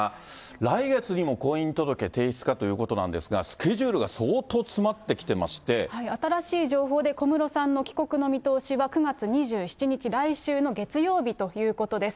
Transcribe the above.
来月にも婚姻届提出かということなんですが、スケジュールが相当新しい情報で、小室さんの帰国の見通しは９月２７日、来週の月曜日ということです。